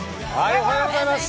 おはようございます。